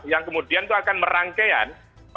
yang kemudian akan merangkaian